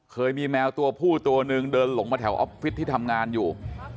เคยมีแมวตัวผู้ตัวหนึ่งเดินหลงมาแถวออฟฟิศที่ทำงานอยู่